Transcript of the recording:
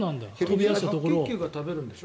白血球が食べるんでしょ？